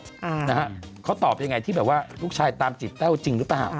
อ่านะฮะเขาตอบยังไงที่แบบว่าลูกชายตามจีบแต้วจริงหรือเปล่า